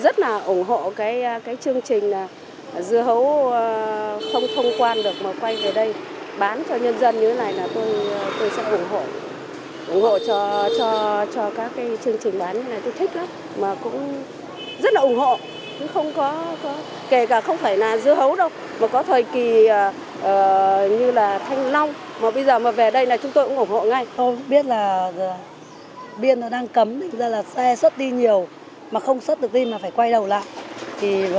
tôi biết là biên đang cấm xe xuất đi nhiều mà không xuất được đi mà phải quay đầu lại